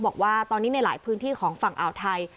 บอกว่าตอนนี้ในหลายพื้นที่ของฝั่งอ่าวไทย